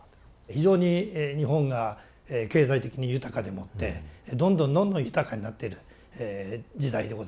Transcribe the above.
非常に日本が経済的に豊かでもってどんどんどんどん豊かになっている時代でございました。